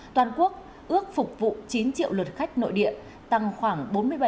toàn quốc ước phục vụ chín triệu lượt khách nội địa tăng khoảng bốn mươi bảy